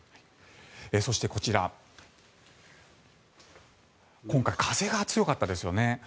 そしてこちら今回、風が強かったですよね。